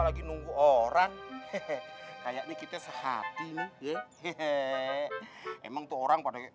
lagi nunggu orang hehehe kayaknya kita sehati nih yehe emang tuh orang pada